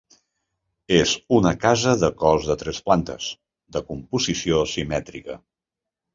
És una casa de cos de tres plantes, de composició simètrica.